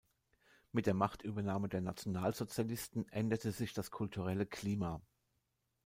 Mit der Machtübernahme der Nationalsozialisten änderte sich das kulturelle Klima.